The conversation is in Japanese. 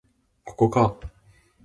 ここか